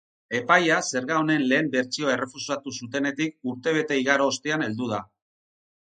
Epaia zerga honen lehen bertsioa errefusatu zutenetik urtebete igaro ostean heldu da.